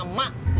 ya udah mau dah